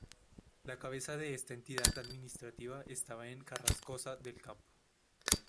La cabeza de esta entidad administrativa estaba en Carrascosa del Campo.